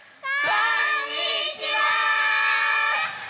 こんにちは！